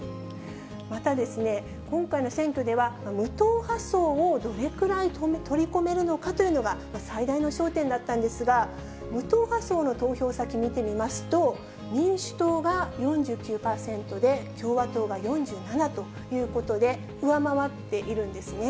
また今回の選挙では、無党派層をどれくらい取り込めるのかというのが最大の焦点だったんですが、無党派層の投票先見てみますと、民主党が４９％で共和党が４７ということで、上回っているんですね。